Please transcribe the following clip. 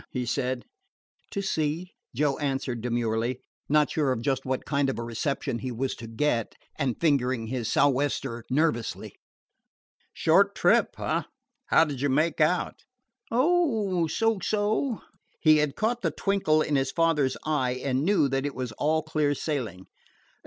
he said. "To sea," Joe answered demurely, not sure of just what kind of a reception he was to get, and fingering his sou'wester nervously. "Short trip, eh? How did you make out?" "Oh, so so." He had caught the twinkle in his father's eye and knew that it was all clear sailing.